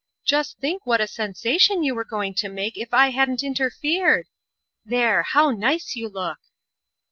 Just think what a sensation you were going to make if I hadn't interfered! There, how nice you look!"